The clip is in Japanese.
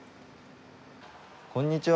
こんにちは。